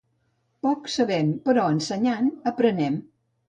Poc sabem, però ensenyant aprenem.